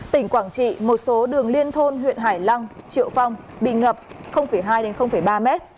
tỉnh quảng trị một số đường liên thôn huyện hải lăng triệu phong bị ngập hai ba mét